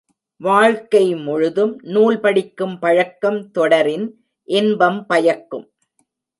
வாழ்க்கை முழுதும் நூல் படிக்கும் பழக்கம் தொடரின், இன்பம் பயக்கும்.